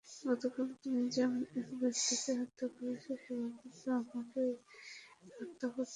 গতকাল তুমি যেমন এক ব্যক্তিকে হত্যা করেছ, সেভাবে আমাকেও কি হত্যা করতে চাও?